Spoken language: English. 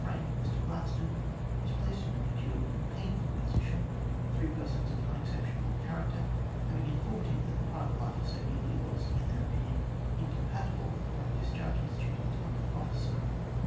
friend, Mr Gladstone, was placed in a peculiar and painful position, three persons of unexceptionable character having informed him that the private life of Sir Eardley was, in their opinion, incompatible with the proper discharge of his duty as a public officer.